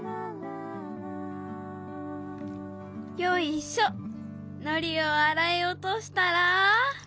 よいしょのりをあらいおとしたら。